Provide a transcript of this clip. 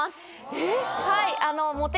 えっ！